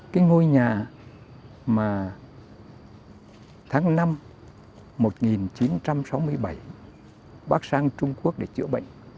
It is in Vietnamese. cái ngôi nhà mà tháng năm một nghìn chín trăm sáu mươi bảy bác sang trung quốc để chữa bệnh